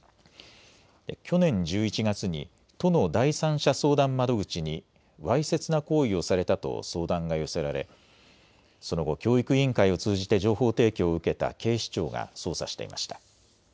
去年１１月に都の第三者相談窓口にわいせつな行為をされたと相談が寄せられ、その後、教育委員会を通じて情報提供を受けた警視庁が捜査していました。